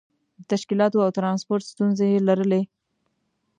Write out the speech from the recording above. د تشکیلاتو او ترانسپورت ستونزې یې لرلې.